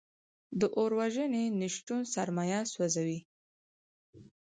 د اور وژنې نشتون سرمایه سوځوي.